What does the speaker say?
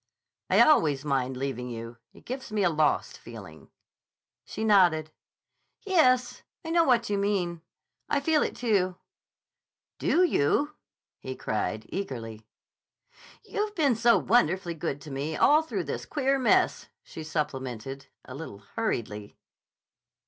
"I always mind leaving you. It gives me a lost feeling." She nodded. "Yes; I know what you mean. I feel it, too." "Do you?" he cried eagerly. "You've been so wonderfully good to me all through this queer mess," she supplemented, a little hurriedly.